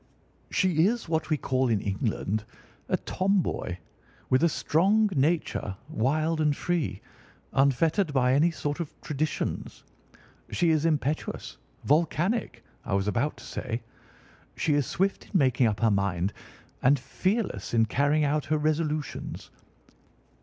She is what we call in England a tomboy, with a strong nature, wild and free, unfettered by any sort of traditions. She is impetuous—volcanic, I was about to say. She is swift in making up her mind and fearless in carrying out her resolutions.